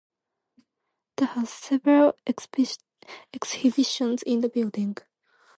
The has several exhibitions in the building.